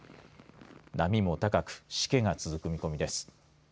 波も高くしけが続く見込みです。